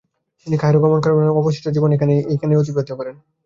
তিনি কায়রো গমন করেন এবং অবশিষ্ট জীবন এইখানেই অতিবাহিত করেন।